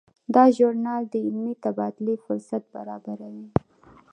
دا ژورنال د علمي تبادلې فرصت برابروي.